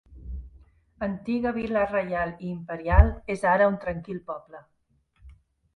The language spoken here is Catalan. Antiga vil·la reial i imperial és ara un tranquil poble.